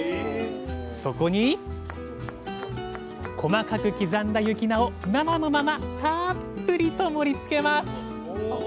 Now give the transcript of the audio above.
そこに細かく刻んだ雪菜を生のままたっぷりと盛りつけます